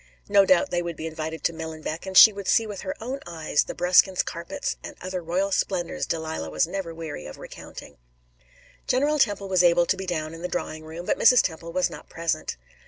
No doubt they would be invited to Millenbeck, and she would see with her own eyes the Bruskins carpets and other royal splendors Delilah was never weary of recounting. General Temple was able to be down in the drawing room, but Mrs. Temple was not present.